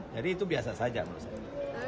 jadi itu biasa saja menurut saya